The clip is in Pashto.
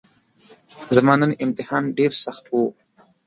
زما نن امتحان ډیرسخت وو